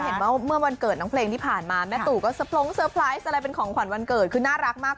เมื่อวันเกิดน้องเพลงที่ผ่านมาแม่ตู่ก็เตอร์พลงเตอร์ไพรส์อะไรเป็นของขวัญวันเกิดคือน่ารักมาก